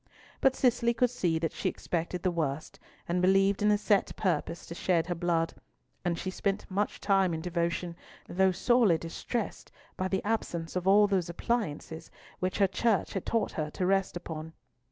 But Cicely could see that she expected the worst, and believed in a set purpose to shed her blood, and she spent much time in devotion, though sorely distressed by the absence of all those appliances which her Church had taught her to rest upon.